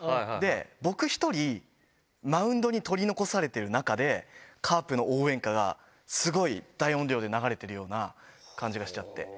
僕一人、マウンドに取り残されている中で、カープの応援歌がすごい大音量で流れてるような感じがしちゃって。